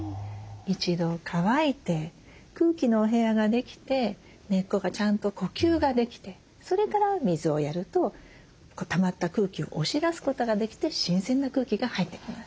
一度乾いて空気のお部屋ができて根っこがちゃんと呼吸ができてそれから水をやるとたまった空気を押し出すことができて新鮮な空気が入ってきます。